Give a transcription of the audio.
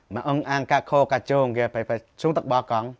mà ông ăn cả khô cả chôn kia phải xuống tắc bò còn